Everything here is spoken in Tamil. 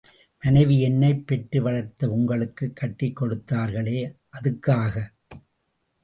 மனைவி என்னைப் பெற்று வளர்த்து உங்களுக்குக் கட்டிக் கொடுத்தார்களே அதுக்காக.